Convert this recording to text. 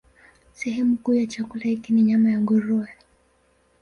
Sehemu kuu ya chakula hiki ni nyama ya nguruwe.